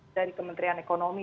dari kementerian ekonomi